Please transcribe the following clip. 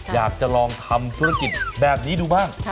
อยากจะลองทำธุรกิจแบบนี้ดูบ้าง